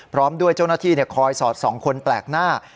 พร้อมด้วยเจ้าหน้าที่คอยสอดส่องคนแปลกหน้า